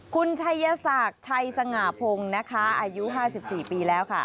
คุณชัยศักดิ์ชัยสง่าพงศ์นะคะอายุ๕๔ปีแล้วค่ะ